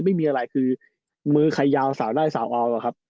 ไม่มีอะไรคือมือใครยาวสาวได้สาวเอาอะครับ